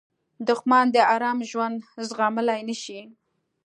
دښمن د آرام ژوند زغملی نه شي